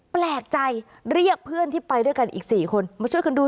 แปลกใจเรียกเพื่อนที่ไปด้วยกันอีก๔คน